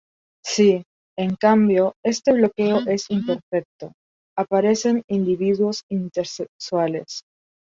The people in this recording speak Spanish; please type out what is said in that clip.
Si, en cambio, este bloqueo es imperfecto, aparecen individuos intersexuales.